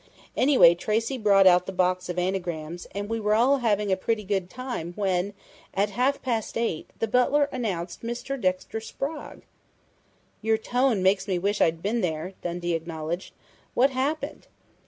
Anyway, Tracey brought out the box of anagrams, and we were all having a pretty good time when, at half past eight, the butler announced 'Mr. Dexter Sprague'!" "Your tone makes me wish I'd been there," Dundee acknowledged. "What happened?"